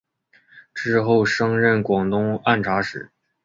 之后升任广东按察使。